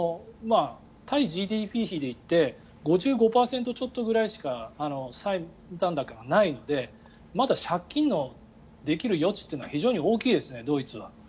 対ＧＤＰ比でいって５５％ちょっとくらいしか債務残高がないのでまだ借金できる余地は非常に大きいですねドイツは。